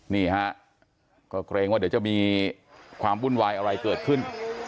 นี่ฮะก็เกรงว่าเดี๋ยวจะมีความวุ่นวายอะไรเกิดขึ้น